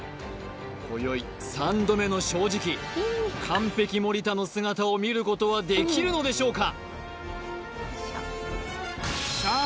今宵３度目の正直完璧森田の姿を見ることはできるのでしょうか？